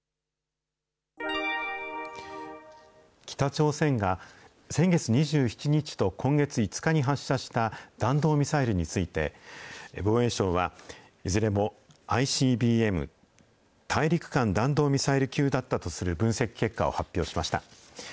北朝鮮が、先月２７日と今月５日に発射した弾道ミサイルについて、防衛省は、いずれもＩＣＢＭ・大陸間弾道ミサイル級だったとする分析結果を発表しました。